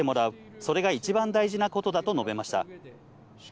それが一番大事なことだと述べました。